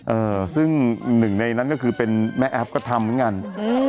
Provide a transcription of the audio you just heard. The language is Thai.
เออซึ่งหนึ่งในนั้นก็คือเป็นแม่แอฟก็ทำเหมือนกันอืม